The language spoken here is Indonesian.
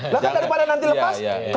lah kan daripada nanti lepas